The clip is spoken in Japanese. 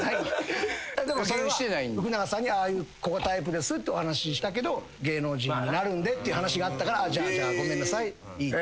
でもそれは福永さんにああいう子がタイプですってお話ししたけど芸能人になるんでっていう話があったからじゃあごめんなさい。